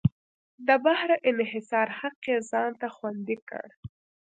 د بهر انحصار حق یې ځان ته خوندي کړ.